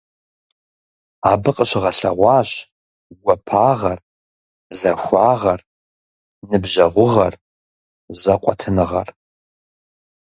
Абы къыщыгъэлъэгъуащ гуапагъэр, захуагъэр, ныбжьэгъугъэр, зэкъуэтыныгъэр.